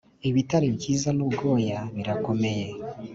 ibitare byiza n ubwoya birakomeye